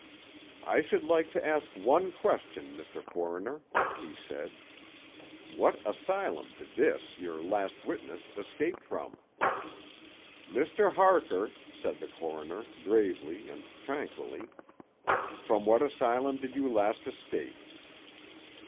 "I should like to ask one question, Mr. Coroner," he said. "What asylum did this yer last witness escape from?" "Mr. Harker," said the coroner, gravely and tranquilly, "from what asylum did you last escape?"